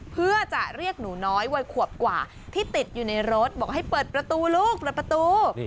เพื่อจะเรียกหนูน้อยวัยขวบกว่าที่ติดอยู่ในรถบอกให้เปิดประตูลูกเปิดประตู